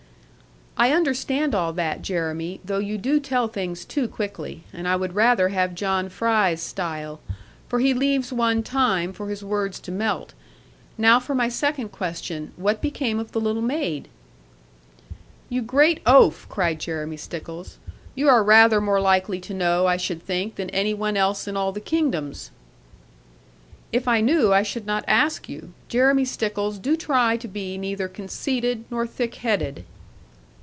'I understand all that, Jeremy, though you do tell things too quickly, and I would rather have John Fry's style; for he leaves one time for his words to melt. Now for my second question. What became of the little maid?' 'You great oaf!' cried Jeremy Stickles: 'you are rather more likely to know, I should think, than any one else in all the kingdoms.' 'If I knew, I should not ask you. Jeremy Stickles, do try to be neither conceited nor thick headed.'